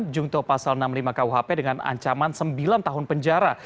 jungto pasal enam puluh lima kuhp dengan ancaman sembilan tahun penjara